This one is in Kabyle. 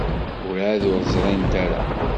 Werɛad ur ẓrint ara.